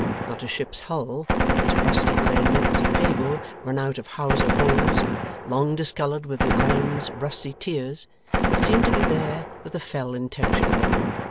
Not a ship's hull, with its rusty iron links of cable run out of hawse holes long discoloured with the iron's rusty tears, but seemed to be there with a fell intention.